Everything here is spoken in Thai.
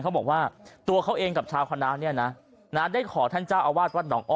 เขาบอกว่าตัวเขาเองกับชาวคณะเนี่ยนะได้ขอท่านเจ้าอาวาสวัดหนองอ้อ